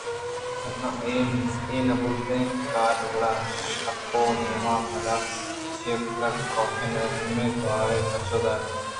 اگاں اے نہ بوتگیں کارےگُڑا شپ ءِ نیم ءَ پاد چیاکُتگ ؟ کاف ءَ نرمیں توارے ءَ پسو دات